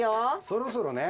「そろそろね」